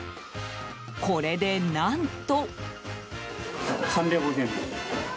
これで、何と。